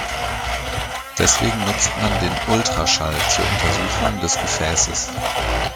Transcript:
Deswegen nutzt man den Ultraschall zu Untersuchung des Gefäßes.